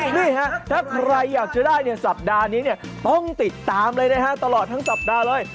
นี่ฮะถ้าใครอยากจะได้เนี่ยสัปดาห์นี้เนี่ยต้องติดตามเลยนะฮะตลอดทั้งสัปดาห์เลย